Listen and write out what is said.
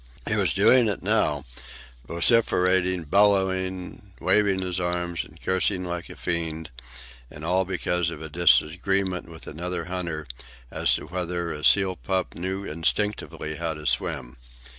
He was doing it now, vociferating, bellowing, waving his arms, and cursing like a fiend, and all because of a disagreement with another hunter as to whether a seal pup knew instinctively how to swim.